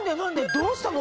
どうしたの？